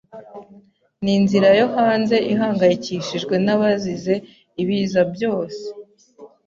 Ninzira yo hanze ihangayikishijwe nabazize ibiza byose?